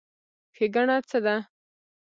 ښېګڼه څه ده؟